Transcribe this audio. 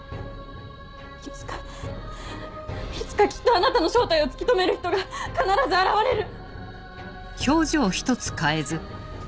いつかいつかきっとあなたの正体を突き止める人が必ず現れる！